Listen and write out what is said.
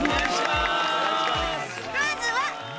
まずは